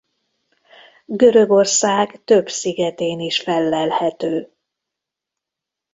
Görögország több szigetén is fellelhető.